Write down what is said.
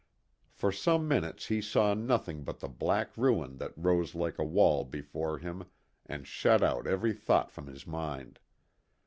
For some minutes he saw nothing but the black ruin that rose like a wall before him and shut out every thought from his mind.